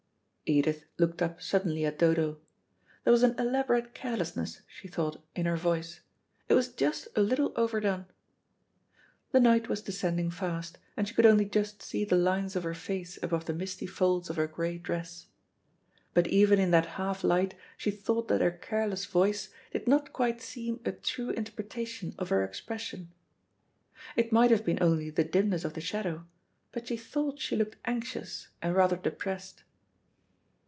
Edith looked up suddenly at Dodo. There was an elaborate carelessness, she thought, in her voice. It was just a little overdone. The night was descending fast, and she could only just see the lines of her face above the misty folds of her grey dress. But even in that half light she thought that her careless voice did not quite seem a true interpretation of her expression. It might have been only the dimness of the shadow, but she thought she looked anxious and rather depressed.